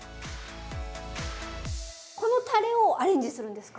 このたれをアレンジするんですか？